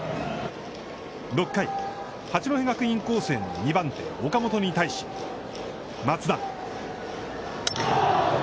６回、八戸学院光星の２番手岡本に対し、松田。